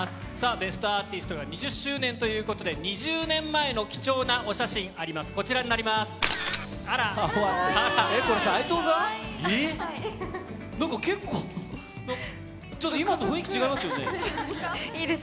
『ベストアーティスト』が２０周年ということで２０年前の貴重なお写真あります、こちらです。